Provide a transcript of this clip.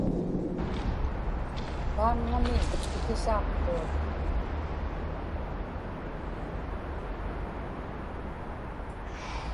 paaŋŋamiñ tikisaaqtuat